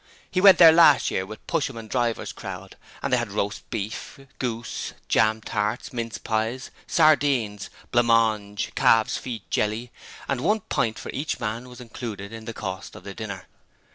He went there last year with Pushem and Driver's crowd, and they had roast beef, goose, jam tarts, mince pies, sardines, blancmange, calves' feet jelly and one pint for each man was included in the cost of the dinner.